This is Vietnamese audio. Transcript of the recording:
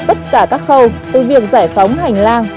tất cả các khâu từ việc giải phóng hành lang